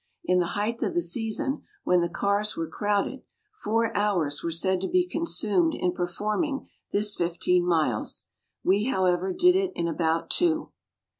In the height of the season, when the cars were crowded, four hours were said to be consumed in performing this fifteen miles. We, however, did it in about two.